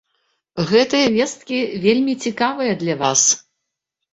Гэтыя весткі вельмі цікавыя для вас!